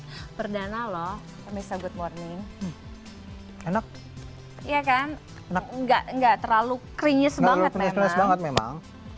hai perdana loh bisa good morning enak iya kan enggak enggak terlalu keringnya semangat memang